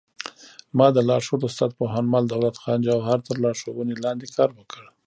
ما د لارښود استاد پوهنمل دولت خان جوهر تر لارښوونې لاندې کار وکړ